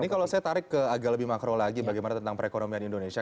ini kalau saya tarik ke agak lebih makro lagi bagaimana tentang perekonomian indonesia